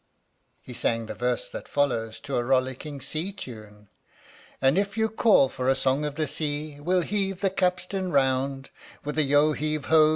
(He sang the verse that follows to a rollicking sea tune?) And if you call for a song of the sea, We'll heave the capstan round, With a " yeo heave oh !